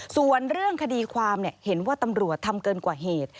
ส่วนเรื่องคดีความเห็นว่าตำรวจทำเกินกว่าเหตุ